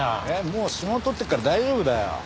もう指紋採ってるから大丈夫だよ。